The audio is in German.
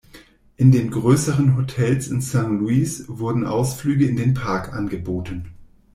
In den größeren Hotels in Saint-Louis werden Ausflüge in den Park angeboten.